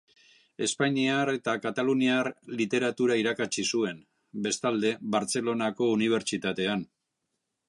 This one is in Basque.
Espainiar eta kataluniar literatura irakatsi zuen, bestalde, Bartzelonako Unibertsitatean.